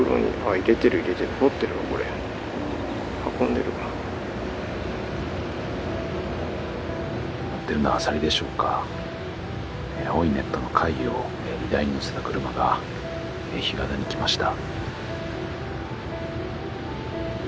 夜来ますか載ってるのはアサリでしょうか青いネットの貝を荷台に載せた車が干潟に来ました